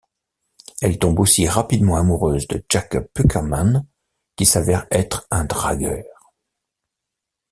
Elle tombe aussi rapidement amoureuse de Jake Puckerman, qui s'avère être un dragueur.